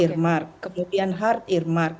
hard earmark kemudian hard earmark